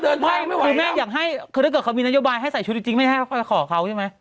คือแม่อยากให้คือถ้าเกิดเขามีนโยบายให้ใส่ชุดจริงไม่ได้ให้ขอเขาใช่ไหม